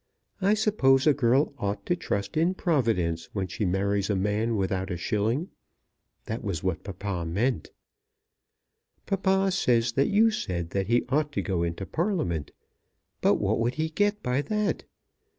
I suppose a girl ought to trust in Providence when she marries a man without a shilling. That was what papa meant. Papa says that you said that he ought to go into Parliament. But what would he get by that?